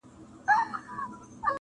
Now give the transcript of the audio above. محبت دې لکه ستوری په مخ پايي